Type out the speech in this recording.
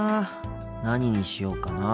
何にしようかなあ。